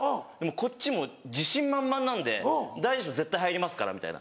こっちも自信満々なんで大丈夫絶対入りますからみたいな。